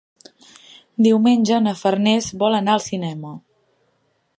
Diumenge na Farners vol anar al cinema.